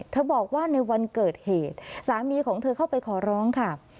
บอกว่าในวันเกิดเหตุสามีของเธอเข้าไปขอร้องค่ะ